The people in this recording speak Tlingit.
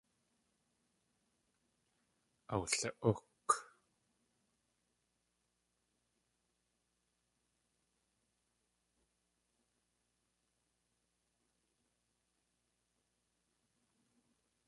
Awli.úk.